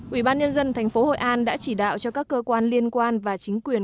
ủy ban nhân dân tp hội an đã chỉ đạo cho các cơ quan liên quan và chính quyền